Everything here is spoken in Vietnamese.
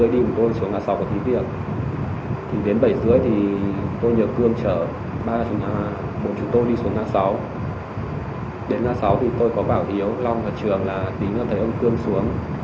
đến hà sáu thì tôi có bảo hiếu long và trường là tí nữa thấy ông cường xuống